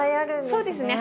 そうですね